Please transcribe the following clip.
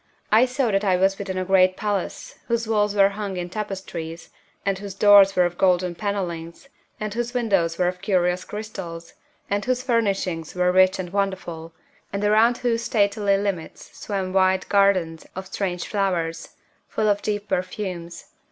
I saw that I was within a great palace, whose walls were hung in tapestries, and whose doors were of golden panelings, and whose windows were of curious crystals, and whose furnishings were rich and wonderful, and around whose stately limits swam wide gardens of strange flowers, full of deep perfumes.